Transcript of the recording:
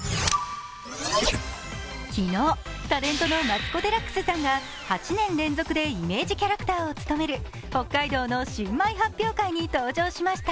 昨日、タレントのマツコ・デラックスさんが８年連続でイメージキャラクターを務める北海道の新米発表会に登場しました。